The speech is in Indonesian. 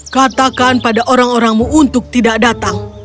katakan pada orang orangmu untuk tidak datang